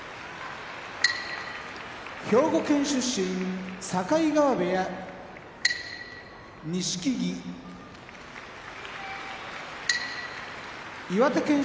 兵庫県出身境川部屋錦木岩手県出身